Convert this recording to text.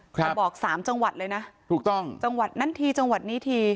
จะบอกสามจังหวัดเลยนะถูกต้องจังหวัดนั้นทีจังหวัดนี้ที